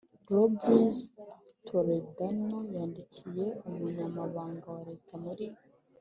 Robles Toledano yandikiye Umunyamabanga wa Leta muri